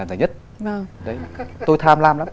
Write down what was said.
đấy tôi tham lam lắm